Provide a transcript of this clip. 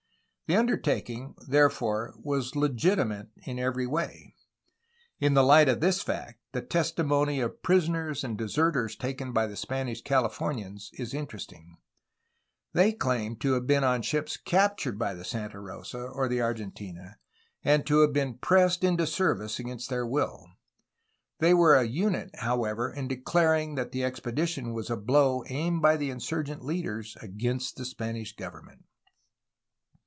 The undertak ing, therefore, was legitimate in every way. In the light of this fact, the testimony of prisoners and deserters taken by the Spanish CaUfornians is interesting. They claimed 450 A HISTORY OF CALIFORNIA to have been on ships captured by the Santa Rosa or the Argentina and to have been pressed into service against their will. They were a unit, however, in declaring that the expe dition was a blow aimed by the insurgent leaders against the Spanish government.